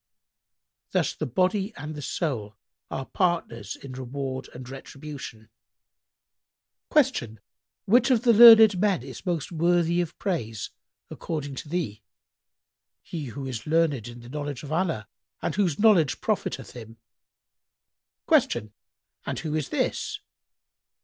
Thus the body and the soul are partners in reward and retribution." Q "Which of the learned men is most worthy of praise, according to thee?"—"He who is learned in the knowledge of Allah and whose knowledge profiteth him." Q "And who is this?"